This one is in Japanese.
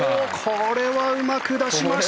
これはうまく出しました！